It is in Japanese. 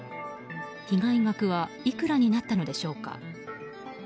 被害額はいくらになったのでしょうか。